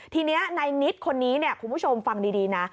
ทีนี้นายนิดคนนี้เนี่ยคุณผู้ชมฟังดีนะ